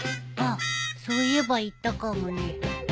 あっそういえば言ったかもね。